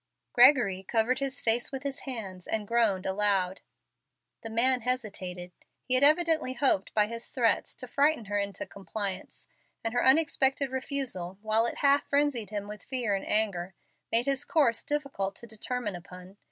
Gregory covered his face with his hands and groaned aloud. The man hesitated. He had evidently hoped by his threats to frighten her into compliance, and her unexpected refusal, while it half frenzied him with fear and anger, made his course difficult to determine upon.